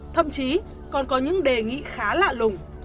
thậm chí còn có những đề nghị khá lạ lùng